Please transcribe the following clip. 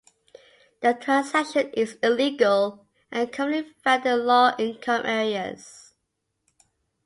The transaction is illegal and commonly found in low-income areas.